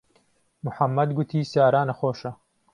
موحەممەد گوتی سارا نەخۆشە.